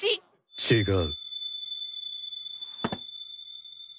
違う。